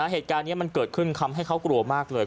เหตุการณ์นี้เกิดขึ้นให้เค้ากลัวมากเลย